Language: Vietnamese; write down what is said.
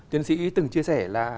tiến sĩ từng chia sẻ là